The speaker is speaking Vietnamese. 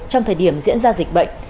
trong thời điểm diễn ra dịch bệnh